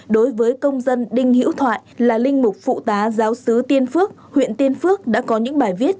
đối với công dân đinh hữu thoại là linh mục phụ tá giáo sứ tiên phước huyện tiên phước đã có những bài viết